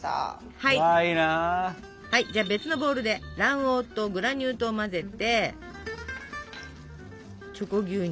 はいじゃあ別のボウルで卵黄とグラニュー糖を混ぜてチョコ牛乳